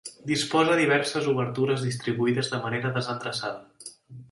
Disposa diverses obertures distribuïdes de manera desendreçada.